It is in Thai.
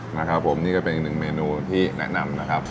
นะครับผมนี่ก็เป็นอีกหนึ่งเมนูที่แนะนำนะครับ